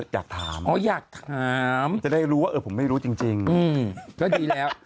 อยากถามอ๋ออยากถามจะได้รู้ว่าผมไม่รู้จริงก็ดีแล้ว